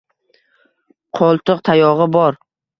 Qo’ltiqtayog’i bor